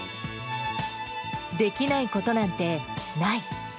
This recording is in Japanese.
できないことなんてない。